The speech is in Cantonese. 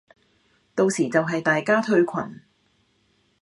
到時就係大家退群